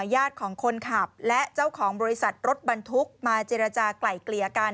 ญาติของคนขับและเจ้าของบริษัทรถบรรทุกมาเจรจากลายเกลี่ยกัน